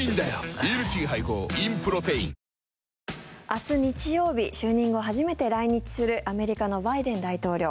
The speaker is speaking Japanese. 明日日曜日就任後初めて来日するアメリカのバイデン大統領。